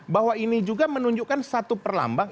bahwa ini juga menunjukkan satu perlambang